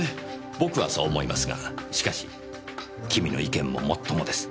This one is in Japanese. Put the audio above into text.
僕はそう思いますがしかし君の意見ももっともです。